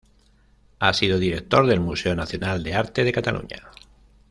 Ha sido director del Museo Nacional de Arte de Cataluña.